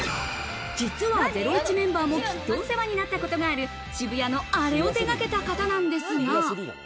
実は『ゼロイチ』メンバーもきっとお世話になったことがある渋谷のアレを手がけた人なんですが。